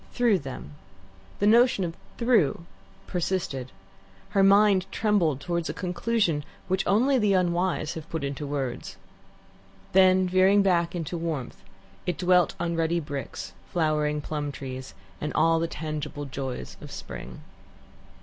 Through them: the notion of "through" persisted; her mind trembled towards a conclusion which only the unwise have put into words. Then, veering back into warmth, it dwelt on ruddy bricks, flowering plum trees, and all the tangible joys of spring.